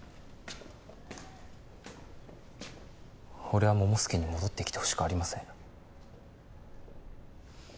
俺は桃介に戻ってきてほしくありません。